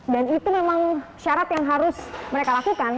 itu memang syarat yang harus mereka lakukan